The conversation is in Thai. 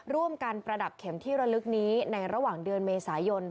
ประดับเข็มที่ระลึกนี้ในระหว่างเดือนเมษายน